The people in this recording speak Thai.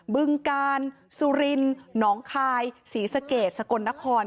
บึงกาลสุรินหนองคายศรีสะเกดสกลนคร